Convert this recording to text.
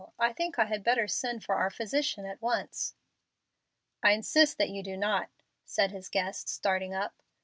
I think I had better send for our physician at once." "I insist that you do not," said his guest, starting up.